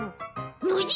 ノジ！